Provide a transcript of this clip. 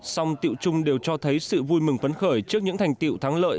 song tiểu chung đều cho thấy sự vui mừng phấn khởi trước những thành tiệu thắng lợi